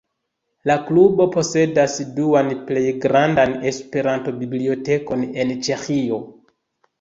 La Klubo posedas duan plej grandan Esperanto-bibliotekon en Ĉeĥio.